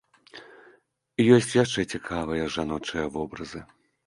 Ёсць яшчэ цікавыя жаночыя вобразы.